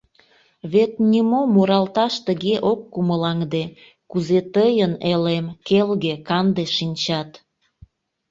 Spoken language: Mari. Вет нимо муралташ тыге ок кумылаҥде, Кузе тыйын, Элем, келге, канде шинчат.